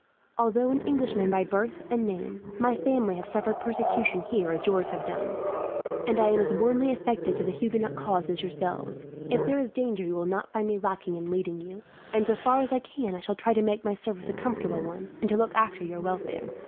Although an Englishman by birth and name, my family have suffered persecution here as yours have done, and I am as warmly affected to the Huguenot cause as yourselves. If there is danger you will not find me lacking in leading you, and so far as I can I shall try to make my service a comfortable one, and to look after your welfare.